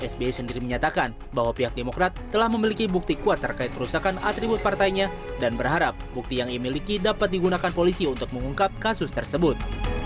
sbi sendiri menyatakan bahwa pihak demokrat telah memiliki bukti kuat terkait perusahaan atribut partainya dan berharap bukti yang dimiliki dapat digunakan polisi untuk mengungkap kasus tersebut